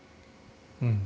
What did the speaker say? うん。